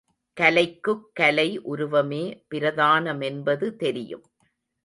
கலைக்கு கலை உருவமே பிரதானமென்பது தெரியும்.